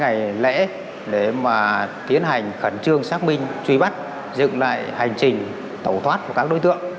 ngày lễ để mà tiến hành khẩn trương xác minh truy bắt dựng lại hành trình tẩu thoát của các đối tượng